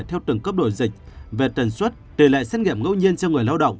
theo từng cấp độ dịch về tần suất tỷ lệ xét nghiệm ngâu nhiên cho người lao động